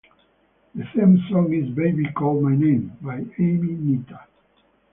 The theme song is "Baby Call My Name" by Emi Nitta.